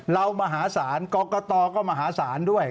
มหาศาลกรกตก็มหาศาลด้วย